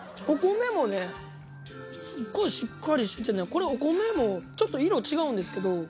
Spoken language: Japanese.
お米もね、すっごいしっかりしてて、これ、お米もちょっと色違うんですけど。